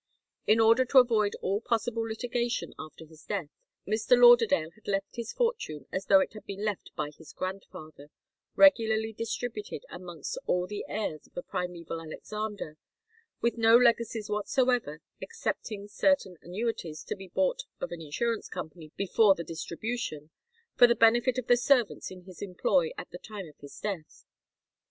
In order to avoid all possible litigation after his death, Mr. Lauderdale had left his fortune as though it had been left by his grandfather, regularly distributed amongst all the heirs of the primeval Alexander, with no legacies whatsoever, excepting certain annuities to be bought of an insurance company before the distribution, for the benefit of the servants in his employ at the time of his death.